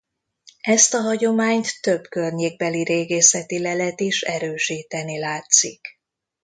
Ezt a hagyományt több környékbeli régészeti lelet is erősíteni látszik.